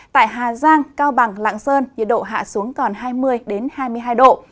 tại hà giang cao bằng lạng sơn nhiệt độ hạ xuống còn hai mươi hai mươi hai độ